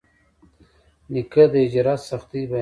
نیکه د هجرت سختۍ بیانوي.